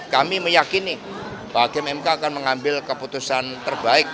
kami meyakini hakim mk akan mengambil keputusan terbaik